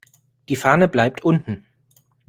Die Fahne bleibt unten.